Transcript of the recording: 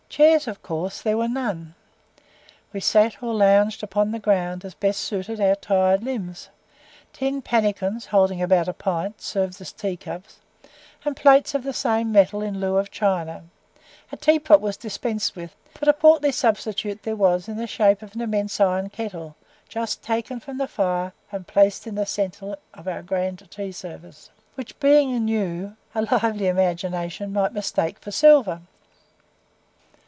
Chairs, of course, there were none, we sat or lounged upon the ground as best suited our tired limbs; tin pannicans (holding about a pint) served as tea cups, and plates of the same metal in lieu of china; a teapot was dispensed with; but a portly substitute was there in the shape of an immense iron kettle, just taken from the fire and placed in the centre of our grand tea service, which being new, a lively imagination might mistake for silver.